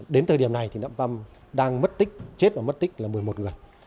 đến thời điểm này thì nạm păm đang mất tích chết và mất tích là một mươi một người